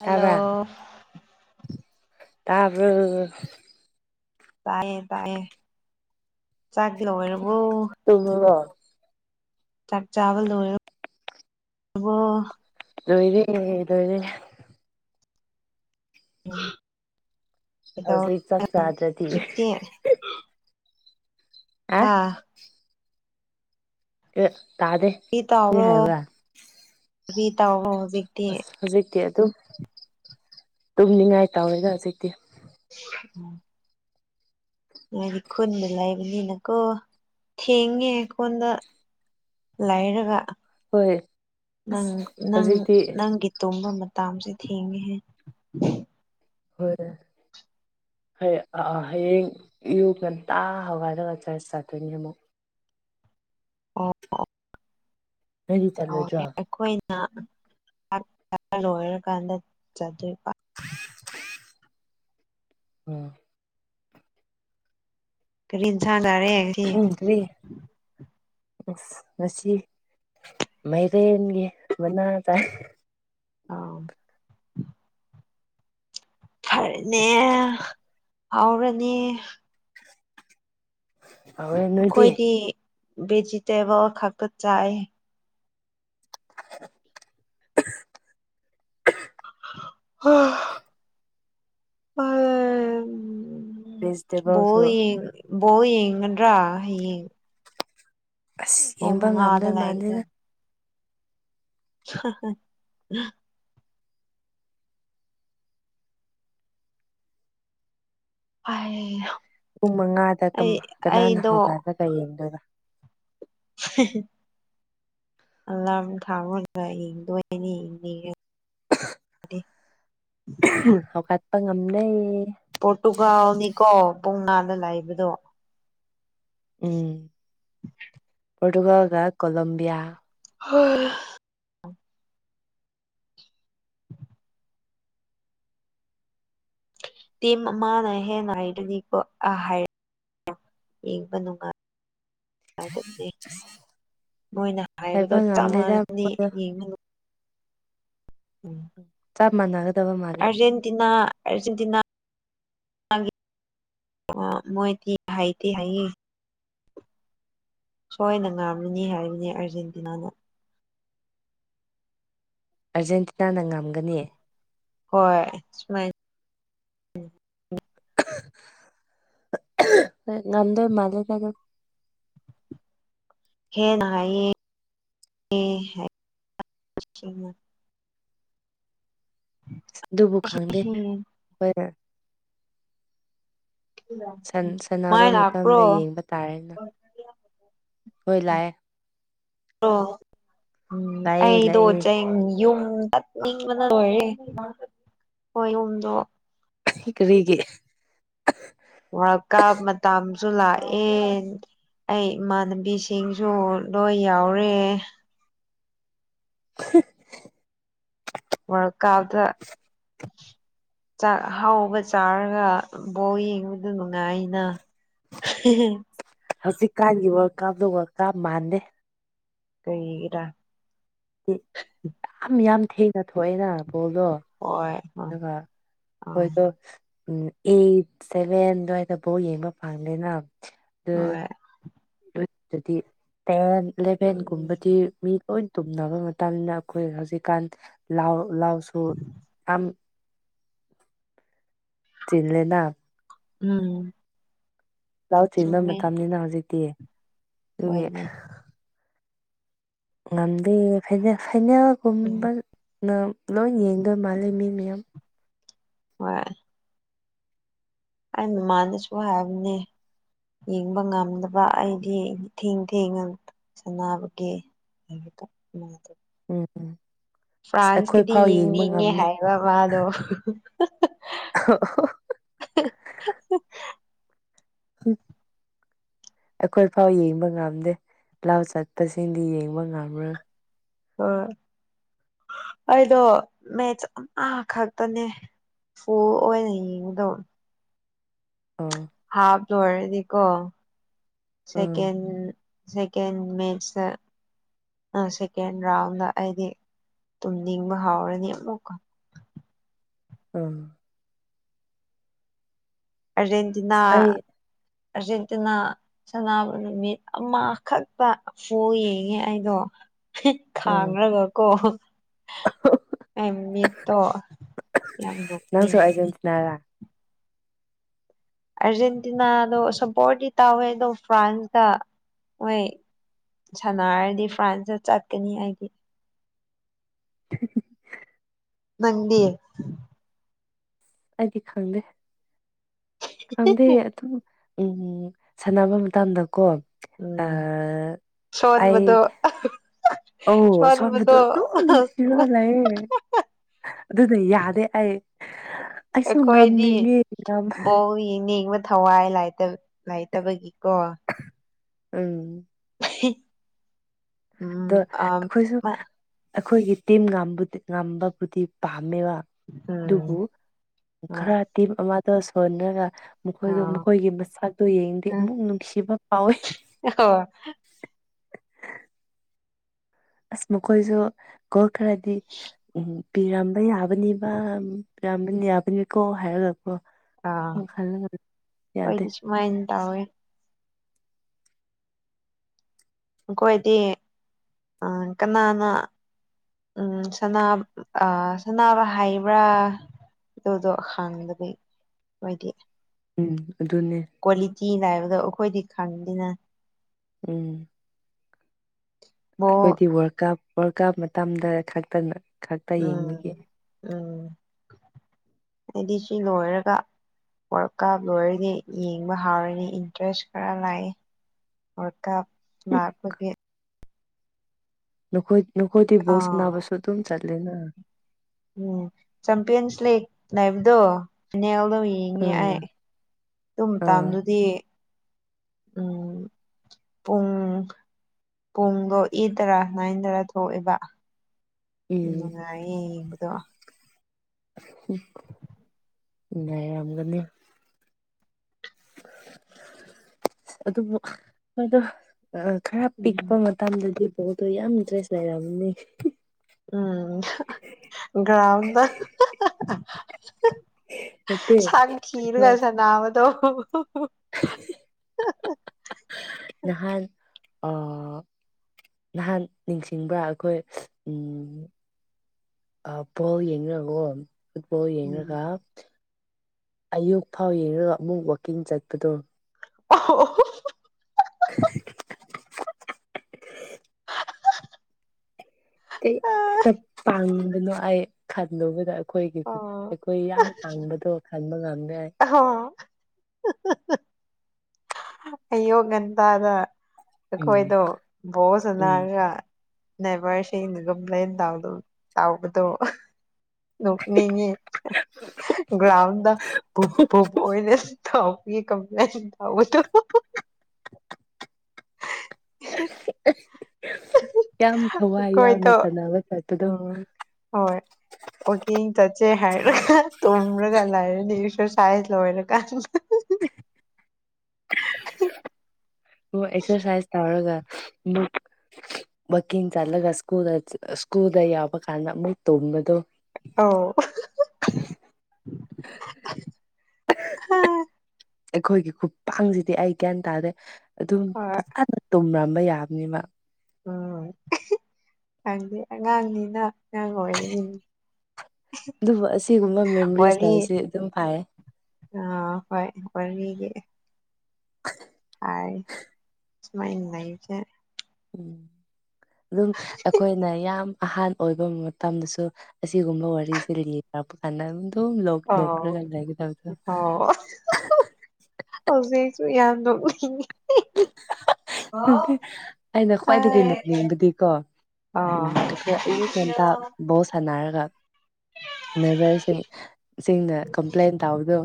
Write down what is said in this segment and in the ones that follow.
Hello ꯇꯥꯕ꯭ꯔ‌ꯣ ꯇꯥꯏꯌꯦ ꯇꯥꯏꯌꯦ ꯆꯥꯛꯗꯤ ꯂ‌ꯣꯏꯔꯕꯣ ꯇꯨꯒ‌ꯣ ꯆꯥꯛ ꯆꯥꯕ ꯂꯣꯏꯔꯕ‌ꯣ ꯂꯣꯏꯔꯦ ꯂꯣꯏꯔꯦ ꯀꯩꯗꯧ ꯍꯧꯖꯤꯛ ꯆꯥꯛ ꯆꯥꯗ꯭ꯔꯗꯤ ꯍꯧꯖꯤꯛꯇꯤ ꯑ ꯍꯥꯥ ꯑ‌ꯦ ꯇꯥꯗꯦ ꯀ꯭ꯔꯤ ꯀꯔꯤ ꯇꯧꯕ꯭ꯔꯣ ꯍꯥꯏꯕ꯭ꯔꯥ ꯀꯔꯤ ꯇꯧꯕ꯭ꯔ‌ꯣ ꯑꯁ ꯍꯧꯖꯤꯛꯇꯤ ꯑꯗꯨꯝ ꯇꯨꯝꯅꯤꯡꯉꯥꯏ ꯇꯧꯋꯦꯗ ꯍꯧꯖꯤꯛꯇꯤ [unintelligible] ꯅ‌ꯣꯏꯗꯤ ꯈꯨꯟꯗ ꯂꯩꯕꯅꯤꯅꯀꯣ ꯊꯦꯡꯉꯦ ꯀꯣꯟꯗ ꯂꯩꯔꯒ ꯍꯣꯏ ꯅꯪ ꯑꯁ ꯅꯪ ꯍꯧꯖꯤꯛꯇꯤ ꯅꯪꯒꯤ ꯇꯨꯝꯕ ꯃꯇꯝꯁꯦ ꯊꯦꯡꯉꯦꯍꯦ ꯍ‌ꯣꯏ ꯍ ꯍꯌꯦꯡ ꯑꯌꯨꯛ ꯉꯟꯇꯥ ꯍꯒꯥꯏꯔꯒ ꯆꯔꯁ ꯆꯥꯠꯇꯣꯏꯅꯤ ꯑꯃꯨꯛ [unintelligible] ꯅꯪꯗꯤ ꯆꯠꯂꯣꯏꯗ꯭ꯔꯣ ꯑꯩꯈꯣꯏꯅ ꯂꯣꯏꯔꯀꯥꯟꯗ ꯆꯠꯇ‌ꯣꯏꯕ ꯎꯝ ꯀꯔꯤ ꯏꯟꯁꯥꯡ ꯆꯥꯔꯦ ꯉꯁꯤ ꯁꯧꯒ꯭ꯔꯤ ꯑꯁ ꯉꯁꯤ ꯃꯥꯏꯔꯦꯟꯒꯤ ꯃꯅꯥ ꯆꯥꯏ ꯑꯥ ꯐꯔꯦꯅꯦ ꯍꯥꯎꯔꯅꯤ ꯍꯥꯎꯋꯦ ꯅꯣꯏꯗꯤ ꯑꯩꯈꯣꯏꯗꯤ ꯚꯦꯖꯤꯇꯦꯕꯜ ꯈꯛꯇ ꯆꯥꯏ ꯍ ꯑ ꯕꯣ ꯚꯦꯖꯤꯇꯦꯕꯜꯁꯨ ꯌꯦ ꯕꯣ ꯌꯦꯡꯉꯗ꯭ꯔꯥ ꯍꯌꯦꯡ ꯑꯁ ꯄꯨꯡ ꯌꯦꯡꯕ ꯃꯉꯥꯗ ꯉꯝꯗꯣꯏ ꯂꯩꯕꯗꯣ ꯃꯥꯟꯗꯅ [unintelligible] [unintelligible] ꯄꯨꯡ ꯃꯉꯥꯗ ꯀꯅꯥꯅ ꯑꯩꯗꯣ ꯍꯧꯒꯗꯒ ꯌꯦꯡꯗꯣꯏꯕ [unintelligible] ꯑꯂꯥꯔꯝ ꯊꯥꯃꯒ ꯌꯦꯡꯗꯣꯏꯅꯤ ꯌꯦꯡꯅꯤꯡꯉ ꯑꯗꯨꯗꯤ ꯍꯧꯒꯠꯄ ꯉꯝꯅꯩ ꯄꯣꯔꯇꯨꯒꯥꯜꯅꯤꯀꯣ ꯄꯨꯡ ꯅꯥꯗ ꯂꯥꯛꯏꯕꯗꯣ ꯎꯝ ꯄꯣꯔꯇꯨꯒꯜꯒ ꯀꯣꯂꯣꯕꯤꯌꯥ ꯍꯣꯏ ꯃꯅ ꯍꯦꯟꯅ ꯍꯥꯏꯗꯅꯤꯀꯣ ꯑ ꯍꯥꯏꯔ ꯌꯦꯡꯕ ꯅꯨꯡꯉꯥꯏ [unintelligible] ꯃꯣꯏꯅ ꯍꯥꯏꯕꯗꯣ ꯍꯥꯏꯕ ꯆꯞ ꯉꯝꯗꯦꯗ ꯃꯥꯟꯅꯅꯤ ꯌꯦꯡꯕ ꯎꯝ ꯆꯞ ꯃꯅꯅꯥꯒꯗꯕ ꯃꯥꯂꯦ ꯑꯔꯖꯦꯟꯇꯤꯅꯥ ꯑꯔꯖꯦꯟꯇꯤꯅꯥ ꯑ ꯃꯣꯏ ꯇꯤ ꯍꯩꯇꯤ ꯍꯩꯌꯦ ꯁꯣꯏꯅ ꯉꯥꯝꯂꯤꯅꯤ ꯍꯥꯏꯔꯤꯕꯅꯤ ꯑꯔꯖꯦꯟꯇꯤꯅꯥꯅ ꯑꯔꯖꯦꯟꯇꯤꯅꯥꯅ ꯉꯝꯒꯅꯤ ꯍꯣꯏ ꯁꯨꯃꯥꯏ [unintelligible] ꯉꯝꯗꯣꯢ ꯃꯥꯜꯂꯦꯗ ꯑꯗꯨꯝ ꯍꯦꯟꯅ ꯍꯥꯏꯌꯦ ꯍꯥꯏ ꯑꯗꯨꯕꯨ ꯈꯪꯗꯦ ꯍꯣꯏ ꯁꯥꯟꯅꯕ ꯃꯥꯏ ꯃꯇꯝꯗ ꯂꯥꯛꯄ꯭ꯔꯣ ꯌꯦꯡꯕ ꯇꯥꯔꯦꯅ ꯍꯣꯏ ꯂꯥꯛꯑꯦ ꯑꯣ ꯎꯝ ꯂꯥꯛꯑꯦ ꯑꯩꯗꯣ ꯂꯥꯛꯑꯦ ꯖꯦꯡ ꯌꯨꯝ ꯆꯠꯅꯤꯡꯕꯅ ꯂꯣꯔꯦ ꯍꯣꯏ ꯌꯨꯝꯗꯣ ꯀꯔꯤꯒꯤ ꯋꯥꯔ ꯀꯥꯞ ꯃꯇꯝꯁꯨ ꯂꯥꯛꯑꯦ ꯑꯩ ꯏꯃꯥꯟꯅꯕꯤꯁꯤꯡꯁꯨ ꯂꯣꯏ ꯌꯥꯎꯔꯦ [unintelligible] ꯋꯜꯀꯥꯎꯗ ꯆꯥꯛ ꯑꯍꯥꯎꯕ ꯆꯥꯔꯒ ꯕꯣꯜ ꯌꯦꯡꯕꯗꯨ ꯅꯨꯡꯉꯥꯏꯅ [unintelligible] ꯍꯧꯖꯤꯛꯀꯥꯟꯒꯤ ꯋꯥꯔꯜ ꯀꯥꯞꯇꯣ ꯋꯥꯔꯜ ꯀꯥꯞ ꯃꯥꯟꯗꯦ ꯀꯔꯤꯒꯤꯔ ꯌꯥꯝ ꯌꯥꯝ ꯊꯦꯡ ꯊꯣꯛꯑꯦꯅ ꯕꯣꯜꯗꯣ ꯍꯣꯏ ꯍꯣꯏ ꯑꯗꯨꯒ ꯑꯥ ꯑꯈꯣꯏꯗꯣ ꯎꯝ ꯑꯩꯠ ꯁꯦꯚꯦꯟ ꯑꯗꯨꯋꯥꯏꯗꯐꯥꯎ ꯌꯦꯡꯕ ꯐꯪꯗꯦꯅ ꯑꯗꯨ ꯍꯣꯏ ꯑꯗꯨꯗꯤ ꯇꯦꯟ ꯎꯝ ꯏꯂꯦꯚꯦꯟꯒꯨꯝꯕꯗꯤ ꯃꯤ ꯂꯣꯏ ꯇꯨꯝꯅꯕ ꯃꯇꯝꯗ ꯑꯩꯈꯣꯏ ꯍꯧꯖꯤꯛꯀꯥꯟ ꯂꯥꯎ ꯂꯥꯎꯁꯨ ꯌꯥꯝ ꯆꯤꯟꯂꯦꯅ ꯑꯝ ꯂꯧ ꯆꯤꯟꯕ ꯃꯇꯝꯅꯤꯅ ꯍꯧꯖꯤꯛꯇꯤ ꯑꯗꯨꯒꯤ ꯍꯣꯏꯅꯦ ꯉꯝꯗꯦ ꯐꯥꯏꯅꯦꯜ ꯎꯝ ꯐꯥꯏꯅꯦꯜꯒꯨꯝꯕꯅ ꯂꯣꯏꯅ ꯌꯦꯡꯗꯣꯏ ꯃꯥꯜꯂꯦ ꯃꯤ ꯃꯌꯥꯝ ꯍꯣꯏ ꯑꯩ ꯃꯥꯟꯅꯁꯨ ꯍꯥꯏꯕꯅꯦ ꯌꯦꯡꯕ ꯉꯝꯗꯕ ꯑꯩꯗꯤ ꯊꯦꯡ ꯊꯦꯡꯅ ꯁꯥꯟꯅꯥꯅꯕꯒꯤ [unintelligible] ꯑꯝ ꯑꯝ ꯑꯁ ꯑꯩꯈꯣꯏ ꯐꯥꯎ ꯌꯦꯡꯕ ꯌꯦꯡꯅꯤꯡꯉꯦ ꯉꯝꯗꯦ ꯍꯥꯏꯕ ꯃꯥꯗꯣ [unintelligible] ꯑꯣ ꯍꯣ [unintelligible] [unintelligible] ꯑꯩꯈꯣꯏ ꯐꯥꯎ ꯌꯦꯡꯕ ꯉꯝꯗꯦ ꯂꯧ ꯆꯠꯄꯁꯤꯡꯗꯤ ꯌꯦꯡꯕ ꯉꯝꯔꯣꯏ ꯍꯣꯏ ꯑꯩꯗꯣ ꯃꯦꯠꯁ ꯑꯃꯥꯈꯛꯇꯅꯦ ꯑꯣ ꯑꯣꯏꯅ ꯌꯦꯡꯕꯗꯣ ꯑꯝ ꯍꯥꯞ ꯂꯣꯏꯔꯗꯤꯀꯣ ꯎꯝ ꯁꯦꯀꯦꯟ ꯁꯦꯀꯦꯟ ꯃꯁꯦꯁꯇ ꯁꯦꯀꯦꯟ ꯔꯥꯎꯟꯗ ꯑꯩꯗꯤ ꯇꯨꯝꯅꯤꯡꯕ ꯍꯧꯔꯅꯤ ꯑꯃꯨꯛꯀ ꯑꯝ ꯑ꯭ꯔꯖꯦꯟꯇꯤꯅꯥ ꯑꯁ ꯑꯩ ꯑ꯭ꯔꯖꯦꯟꯇꯤꯅꯥ ꯁꯥꯟꯅꯕ ꯅꯨꯃꯤꯠ ꯑꯃꯥꯈꯛꯇ ꯕꯣꯜ ꯌꯦꯡꯉꯦ ꯑꯩꯗꯣ [unintelligible] ꯎꯝ ꯈꯥꯡꯔꯒ ꯀꯣ ꯑꯩ ꯃꯤꯠꯇꯣ ꯌꯥꯝ ꯅꯪꯁꯨ ꯅꯣꯛꯅꯤꯡꯕꯅꯦ [unintelligible] ꯑꯥꯔꯖꯦꯟꯇꯤꯅꯥꯗꯣ ꯁꯝꯄꯣꯔꯗꯤ ꯇꯥꯎꯋꯦ ꯑꯗꯣ ꯐ꯭ꯔꯥꯟꯁꯇ ꯃꯣꯏ ꯁꯥꯟꯅꯔꯗꯤ ꯐ꯭ꯔꯥꯟꯁꯇ ꯆꯠꯀꯅꯤ ꯑꯩꯗꯤ [unintelligible] ꯅꯪꯗꯤ ꯑꯩꯗꯤ ꯈꯪꯗꯦ ꯈꯪꯗꯦ ꯑꯗꯨꯝ ꯑꯝ ꯁꯥꯟꯅꯕ ꯃꯇꯝꯗꯀꯣ ꯎꯝ ꯑꯥ ꯑꯩ ꯁꯣꯟꯕꯗꯣ ꯑꯧ ꯁꯣꯟꯕꯗꯨ ꯁꯣꯟꯕꯗꯣ ꯑꯗꯨꯝ ꯅꯨꯡꯁꯤꯔꯒ ꯂꯩꯌꯦ ꯑꯗꯨꯅ ꯌꯥꯗꯦ ꯑꯩ ꯑꯩꯁꯨ ꯑꯩꯈꯣꯏꯗꯤ ꯉꯝꯅꯤꯡꯉꯤ ꯉꯝ ꯕꯣꯜ ꯌꯦꯡꯅꯤꯡ ꯊꯋꯥꯏ ꯂꯩꯇ ꯂꯩꯥꯇꯕꯒꯤꯀꯣ ꯑꯝ [unintelligible] ꯑꯗꯣ ꯎꯝ ꯑ ꯑꯩꯈꯣꯏꯁꯨ ꯃꯥ ꯑꯩꯈꯣꯏꯒꯤ ꯇꯤꯝ ꯉꯝꯕꯗꯨ ꯉꯝꯕꯕꯨꯗꯤ ꯄꯥꯝꯃꯦꯕ ꯑꯗꯨꯕꯨ ꯎꯝ ꯍꯣꯏ ꯈꯔ ꯇꯤꯝ ꯑꯃꯗ ꯁꯣꯟꯔꯒ ꯑ ꯃꯈꯣꯏꯗꯣ ꯃꯈꯣꯏꯒꯤ ꯃꯁꯛꯇꯣ ꯌꯦꯡꯗꯦ ꯑꯃꯨꯛ ꯅꯨꯡꯁꯤꯕ ꯐꯥꯎꯋꯦ ꯑꯣ ꯑꯁ ꯃꯈꯣꯏꯁꯨ ꯒꯣꯜ ꯈꯔꯗꯤ ꯑꯝ ꯄꯤꯔꯝꯕ ꯌꯥꯕꯅꯤꯕ ꯌꯥꯕꯅꯤ ꯌꯥꯕꯅꯤꯀꯣ ꯍꯥꯏꯔꯒ ꯑꯣꯈꯜꯂꯒ ꯌꯥꯗꯦ ꯃꯥꯏꯟ ꯇꯧꯋꯦ ꯑꯩꯈꯣꯏꯗꯤ ꯑ ꯀꯅꯥꯅ ꯎꯝ ꯁꯅꯥꯕ ꯑ ꯁꯥꯅꯕ ꯍꯥꯏꯕ꯭ꯔꯥ ꯑꯗꯨꯗꯣ ꯍꯪꯕꯗꯤ ꯑꯣꯏꯗꯤ ꯎꯝ ꯑꯗꯨꯅꯦ ꯀ꯭ꯋꯥꯂꯤꯇꯤ ꯅꯥꯏꯕꯗꯣ ꯑꯩꯈꯣꯏꯗꯤ ꯈꯪꯗꯦꯅ ꯎꯝ ꯕꯣꯜ ꯑꯩꯈꯣꯏꯗꯤ ꯋꯥꯔꯜ ꯀꯞ ꯋꯥꯔꯜ ꯀꯞ ꯃꯇꯝꯗ ꯈꯛꯇꯪꯅ ꯎꯝ ꯎꯝ ꯍꯥꯏꯗꯤ ꯁꯤ ꯂꯣꯏꯔꯒ ꯋꯥꯔꯛꯀꯥꯞ ꯂꯣꯏꯔꯗꯤ ꯌꯦꯡꯕ ꯍꯥꯎꯔꯅꯤ ꯏꯟꯇꯔꯦꯁ ꯈꯔ ꯂꯥꯛꯑꯦ ꯋꯥꯔꯀꯞ ꯂꯥꯛꯄꯒꯤ ꯅꯈꯣꯏ ꯅꯈꯣꯏꯗꯤ ꯕꯣꯜ ꯑꯥ ꯁꯥꯅꯕꯁꯨ ꯑꯗꯨꯝ ꯆꯠꯂꯦꯅ ꯎꯝ ꯆꯝꯄꯤꯌꯟꯁ ꯂꯤꯒ ꯂꯩꯕꯗꯣ ꯐꯤꯅꯦꯜꯗ ꯌꯦꯡ ꯉꯦ ꯑꯥ ꯑꯩ ꯑꯗꯨ ꯑꯥ ꯃꯇꯝꯗꯨꯗꯤ ꯎꯝ ꯄꯨꯡ ꯄꯨꯡꯗꯣ ꯑꯦꯠ ꯇꯔꯥ ꯅꯥꯏꯟ ꯇꯔꯥ ꯊꯣꯛꯑꯦꯕ ꯎꯝ ꯅꯨꯡꯉꯥꯏꯌꯦ ꯌꯦꯡꯕꯗꯣ ꯅꯩꯔꯝꯒꯅꯤ ꯑꯗꯨꯕꯨ ꯍꯣꯏꯗ ꯈꯔ ꯎꯝ ꯄꯤꯛꯄ ꯃꯇꯝꯗꯗꯤ ꯑꯣꯗꯣ ꯌꯥꯝ ꯏꯟꯗ꯭ꯔꯦꯁ ꯂꯩꯔꯝꯅꯤ ꯎꯝ ꯒ꯭ꯔꯥꯎꯟꯗ ꯅꯠꯇꯦ ꯁꯟ ꯊꯤꯔꯒ ꯑꯩꯈꯣꯏ ꯁꯟꯅꯥꯕꯗꯣ [unintelligible] ꯅꯍꯥꯟ ꯑ ꯅꯍꯥꯟ ꯅꯤꯡꯁꯤꯡꯕ꯭ꯔ ꯑꯩꯈꯣꯏ ꯎꯝ ꯑ ꯕꯣꯜ ꯌꯦꯉꯔꯒ ꯀꯣ ꯐꯨꯠꯕꯣꯜ ꯎꯝ ꯌꯦꯡꯉꯒ ꯑꯌꯨꯛ ꯐꯥꯎ ꯌꯦꯡꯉꯒ ꯑꯃꯨꯛ ꯋꯥꯛꯀꯤꯡ ꯆꯠꯄꯗꯣ [unintelligible] [unintelligible] ꯀꯩ ꯇꯝ ꯄꯥꯡꯕꯅꯣ ꯑꯩ ꯈꯜꯂꯨꯕꯗ ꯑꯩꯈꯣꯏꯒꯤ ꯑꯣ ꯑꯩꯈꯣꯏ ꯌꯥꯝ ꯀꯥꯡꯕꯗꯣ ꯈꯟꯕ ꯉꯝꯃꯦ ꯑꯍꯣ [unintelligible] ꯑꯌꯨꯛ ꯉꯟꯇꯥꯗ ꯎꯝ ꯑꯩꯈꯣꯏꯗꯣ ꯚꯣꯜ ꯎꯝ ꯁꯥꯟꯅꯔꯒ ꯅꯥꯏꯚꯔꯁꯤꯡꯗꯒ ꯀꯝꯄ꯭ꯂꯦꯟ ꯇꯧ ꯇꯥꯎꯕꯗꯣ ꯅꯣꯛꯅꯤꯡꯉꯤ ꯒ꯭ꯔꯥꯎꯟꯗ ꯨ ꯄ ꯨꯄꯨ ꯑꯣꯏꯅ ꯀꯤ [unintelligible] ꯇꯧꯕꯗꯣ ꯌꯥꯝ ꯊꯋꯥꯏ ꯌꯥꯎꯅ ꯑꯩꯈꯣꯏꯗꯣ ꯁꯥꯟꯅꯕ ꯆꯔꯠꯇꯨꯗꯣ [unintelligible] ꯑꯣꯀꯤꯦꯛ ꯆꯠꯁꯦ ꯍꯥꯏꯔꯒ ꯇꯨꯝꯂꯒ ꯂꯥꯏꯔꯅꯤ ꯑꯦꯛꯁꯔꯁꯥꯏꯁ ꯂꯣꯏꯔ ꯀꯥꯟ ꯑꯣ ꯑꯦꯛꯁꯔꯁꯥꯏꯁ ꯇꯧꯔꯒ ꯋꯥꯛꯀꯤꯡ ꯆꯠꯂꯒ ꯁꯀꯨꯜꯗ ꯁ꯭ꯀꯨꯜꯗ ꯌꯥꯎꯕ ꯀꯥꯟꯗ ꯑꯃꯨꯛ ꯇꯣꯡꯕꯗꯣ ꯑꯥꯎ ꯑꯩꯈꯣꯏꯒꯤ ꯈꯨꯄꯥꯡꯁꯤꯗꯤ ꯑꯩ ꯒ꯭ꯟ ꯇꯥꯔꯦ ꯑꯗꯨꯝ ꯍꯣꯏ ꯐꯖꯅ ꯇꯨꯝꯔꯝꯕ ꯌꯥꯕꯅꯤꯕ ꯍ ꯈꯪꯗꯦ ꯑꯉꯥꯡꯅꯤꯅ ꯑꯉꯥꯡ ꯑꯣꯏꯔꯤꯉꯅꯤ ꯑꯗꯨꯕꯨ ꯑꯁꯤꯒꯨꯝꯕ ꯃꯦꯃꯣꯔꯤꯁ ꯋꯥꯔꯤ ꯂꯩꯁꯦ ꯑꯗꯨꯝ ꯐꯩꯑꯦ ꯑ ꯍꯣꯏ ꯑꯣꯏꯕꯤꯒꯦ [inaudible] ꯍꯥꯏ ꯁꯨꯃꯥꯏꯅ ꯅꯩꯕꯥ ꯖꯠꯅꯦ ꯑꯗꯨꯝ ꯑꯩꯈꯣꯏꯅ ꯌꯥꯝ ꯑꯍꯥꯟ ꯑꯣꯏꯕ ꯃꯇꯝꯗꯁꯨ ꯑꯁꯤꯒꯨꯝꯕ ꯋꯥꯔꯤꯁꯦ ꯂꯤꯔꯛꯄ ꯀꯥꯟꯗ ꯑꯗꯨꯝ ꯑꯧ ꯅꯣꯛꯔꯒꯥ ꯂꯩꯒꯗꯝꯗꯣ ꯑꯧ ꯍꯧꯖꯤꯛꯁꯨ ꯌꯥꯝ ꯅꯣꯛꯅꯤꯡꯉꯦ꯫ ꯑꯩꯅ ꯈ꯭ꯋꯥꯏꯗꯒꯤ ꯅꯣꯛꯅꯤꯡꯕꯗꯤꯀꯣ ꯑꯥ ꯑꯩꯈꯣꯏ ꯑꯌꯨꯛ ꯉꯟꯇꯥ ꯕꯣꯜ ꯁꯥꯟꯅꯔꯒꯥ ꯅꯩꯕꯥꯔ ꯁꯤꯡ ꯁꯤꯡꯅꯥ ꯀꯝꯄ꯭ꯂꯦꯟ ꯇꯧꯕꯗꯣ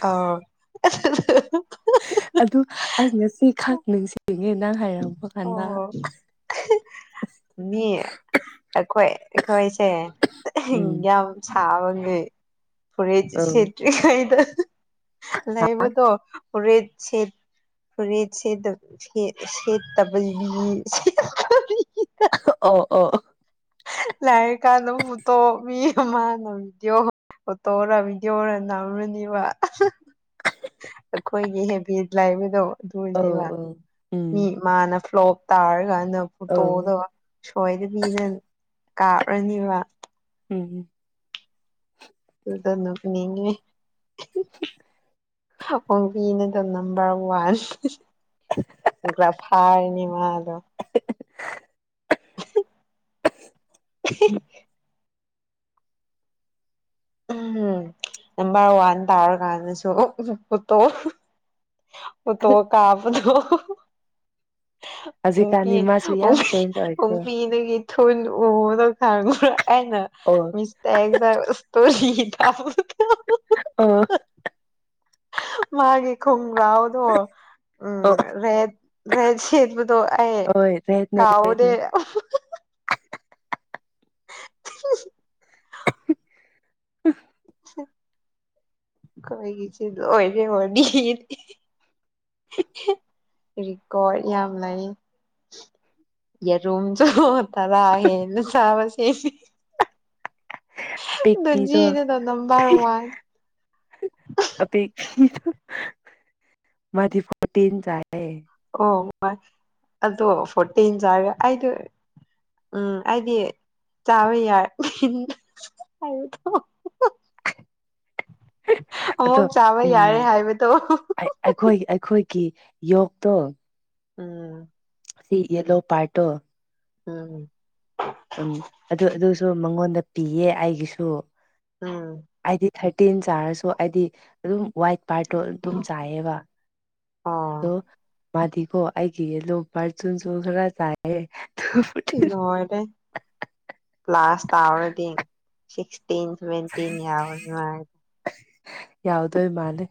ꯑ [unintelligible] ꯑꯗꯨ ꯑꯩ ꯉꯥꯁꯤ ꯈꯛ ꯅꯤꯡꯁꯤꯡꯉꯦ ꯅꯪ ꯍꯥꯏꯔꯛꯄ ꯀꯥꯟꯗ ꯑꯣ ꯃꯤ ꯑꯩꯈꯣꯏ ꯑꯩꯈꯣꯏꯁꯦ ꯎꯝ ꯌꯥꯝ ꯁꯕꯥꯒꯤ ꯐꯨꯔꯤꯠ ꯑꯧ ꯁꯦꯠꯇꯔꯤ ꯉꯥꯏꯗ ꯂꯩꯕꯗꯣ ꯐꯨꯔꯤꯠ ꯁꯦꯠ ꯐꯨꯔꯤꯠ ꯁꯦ ꯁꯦꯠꯇꯕꯒꯤ ꯑꯣ ꯑꯣ ꯂꯏꯔꯥꯀꯥꯟꯗꯥ [unintelligible] ꯃꯤ ꯃꯅ ꯚꯗꯤꯑꯣ ꯐꯣꯇꯣꯔ ꯚꯤꯗꯤꯑꯣꯔꯥ ꯅꯝꯔꯅꯤꯕ ꯑꯩꯈꯣꯏꯒꯤ ꯍꯦꯕꯤꯠ ꯂꯥꯏꯕꯗꯣ ꯑꯗꯨꯅꯦꯕꯥ ꯑꯧ ꯎꯝ ꯃꯤ ꯑꯃꯥꯅ ꯐ꯭ꯂꯣꯞ ꯇꯥꯔꯀꯥꯟꯗ ꯐꯣꯇꯣꯗꯣ ꯑꯧ ꯁꯣꯏꯗꯕꯤ ꯅꯪ ꯀꯥꯞꯔꯥꯅꯤꯕ ꯎꯝ ꯑꯗꯨꯗ ꯅꯣꯛꯅꯤꯡ ꯉꯦ ꯑꯄꯣꯡꯕꯤꯅꯗꯥ ꯅꯝꯕꯔ ꯋꯥꯟ [unintelligible] ꯅꯤ ꯃꯥꯗ ꯎꯝ [inaudible] ꯎꯝꯝ ꯅꯝꯕꯔ ꯋꯥꯟ ꯇꯥꯔꯀꯥꯟꯗꯁꯨ ꯄꯣꯠꯇꯣ [unintelligible] [inaudible] ꯐꯣꯇꯣ ꯀꯞꯄꯗꯣ ꯎ ꯍꯧꯖꯤꯛꯀꯥꯟꯗꯤ ꯃꯥꯁꯨ ꯑꯣ ꯌꯥꯝ ꯆꯦꯟꯖ ꯑꯣ ꯑꯣꯏꯈ꯭ꯔꯦ ꯐꯤꯅ [unintelligible] ꯊꯨꯟ ꯎꯕꯗꯣ ꯈꯪꯕꯔꯥ ꯑꯩꯅ ꯑꯣ ꯁꯇꯦꯇꯥꯁ ꯁꯇ꯭ꯣꯔꯤ ꯊꯝꯕꯗꯣ ꯑꯣ ꯃꯥꯒꯤ ꯈꯨꯨꯝ꯭ꯔꯥꯎꯗꯣ ꯎꯝ ꯑꯣ ꯔꯦꯠ ꯔꯦꯠ ꯁꯦꯠꯄꯥꯗꯣ ꯑꯩ ꯍꯣꯏ ꯔꯦꯠꯅꯦ ꯀꯥꯎꯗꯦ ꯔꯦꯠꯅꯦ [unintelligible] [unintelligible] [inaudible] ꯑꯩꯈꯣꯏꯒꯤꯖꯦ ꯂꯣꯏꯔꯦ ꯋꯔꯤꯗꯤ ꯔꯦꯀꯣꯔꯠ ꯌꯥꯝ ꯂꯩ ꯌꯦꯔꯨꯝꯁꯨ ꯇꯔꯥ ꯍꯦꯟꯅꯥ ꯆꯥꯕꯁꯦꯗꯤ ꯑꯄꯤꯛꯄꯤꯗꯣ ꯗꯣꯖꯤꯗꯨꯅ ꯅꯝꯕꯔ ꯋꯥꯟ ꯃꯥꯗꯤ ꯐꯣꯔꯇꯤꯟ ꯆꯥꯏ ꯍꯥꯏꯌꯦ ꯑꯗꯣ ꯐꯣꯔꯇꯤꯟ ꯆꯔꯒꯥ ꯑꯩꯗꯣ ꯎꯝ ꯑꯩꯗꯤ ꯆꯥꯕ ꯌꯥꯏ ꯍꯥꯏꯕꯗꯣ ꯑꯗꯣ ꯑ‌ꯣꯛ ꯆꯥꯕ ꯎꯝ ꯌꯥꯔꯦ ꯍꯥꯏꯕꯗꯣ ꯑꯩꯈꯣꯏ ꯑꯩꯈꯣꯏꯒꯤ ꯌꯣꯛꯇꯣ ꯎꯝ ꯁꯤ ꯌꯦꯂꯣ ꯄꯥꯔꯠꯇ‌ꯣ ꯎꯝ ꯎꯝ ꯑꯗꯨ ꯑꯗꯨꯁꯨ ꯃꯉꯣꯟꯗ ꯄꯤꯌꯦ ꯑꯩꯒꯤꯁꯨ ꯎꯝ ꯑꯩꯗꯤ ꯊꯥꯔꯇꯤꯟ ꯆꯥꯔꯁꯨ ꯑ‌ꯩꯗꯤ ꯑꯗꯨꯝ ꯋꯥꯏꯠ ꯄꯥꯔꯠꯇꯣ ꯑꯗꯨꯝ ꯆꯥꯏꯌ‌ꯦꯕ ꯑꯗꯣ ꯑꯣ ꯃꯥꯗꯤꯀꯣ ꯑꯩꯒꯤ ꯌ‌ꯦꯂꯣ ꯄꯥꯔꯠꯁꯤꯡꯁꯨ ꯈꯔ ꯆꯥꯏꯑꯦ ꯂ‌ꯣꯏꯔ‌ꯦ ꯂꯥꯁ ꯇꯥꯔꯅꯤ [unintelligible] ꯌꯥꯎꯗꯣꯏ ꯃꯥꯜꯂ‌ꯦ